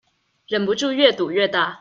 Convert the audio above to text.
忍不住越賭越大